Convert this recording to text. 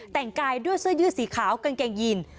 แต่งกายด้วยเสื้อยืดสีขาวกางเกงยีน